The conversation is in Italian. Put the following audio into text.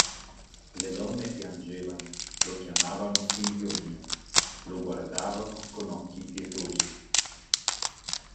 Le donne piangevano, lo chiamavano «figlio mio», lo guardavano con occhi pietosi.